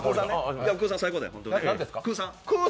くーさん、最高だよ。